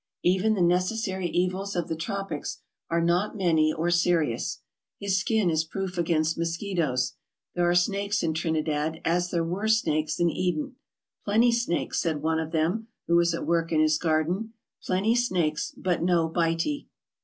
Even the necessary evils of the tropics are not many or serious. His skin is proof against mosquitoes. There are snakes in Trinidad as there were snakes in Eden. " Plenty snakes, '' said one of them who was at work in his garden, "plenty snakes, but no bitee.